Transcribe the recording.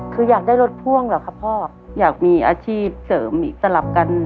คืออยากได้รถพ่วงเหรอครับพ่ออยากมีอาชีพเสริมอีกสลับกัน